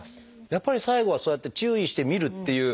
やっぱり最後はそうやって注意してみるっていう